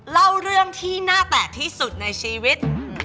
เล่าเรื่องที่น่าแตกที่สุดในชีวิต